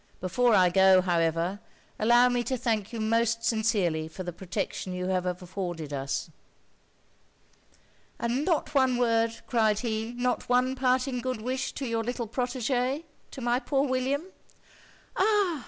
Before I go, however, allow me to thank you most sincerely for the protection you have afforded us.' 'And not one word,' cried he, 'not one parting good wish to your little protegé to my poor William?' 'Ah!